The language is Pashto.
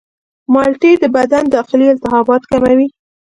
مالټې د بدن داخلي التهابات کموي.